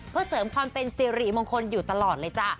เพื่อเสริมความเป็นสิริมงคลอยู่ตลอดเลยจ้ะ